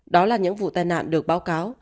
đó là những vụ tai nạn được báo cáo